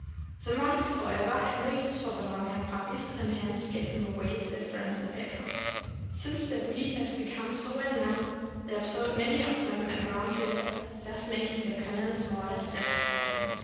The monks, however, had no use for long haired puppies, and hence gave them to their friends and patrons. Since the breed has become so well known, they have sold many of them at round figures, thus making their kennels more or less self supporting.